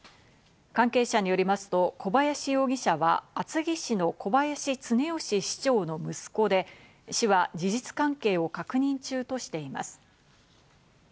関係者によりますと、小林容疑者は厚木市の小林常良市長の息子で、市は事実関係を確認中としています。